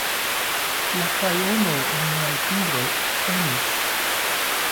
La krajono en miaj fingroj ektremis.